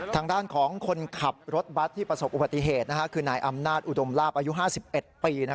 ทางด้านของคนขับรถบัตรที่ประสบอุบัติเหตุคือนายอำนาจอุดมลาบอายุ๕๑ปี